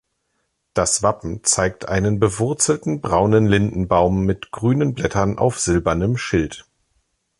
Das Wappen zeigt einen bewurzelten braunen Lindenbaum mit grünen Blättern auf silbernem Schild.